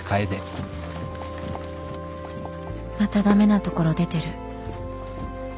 また駄目なところ出てる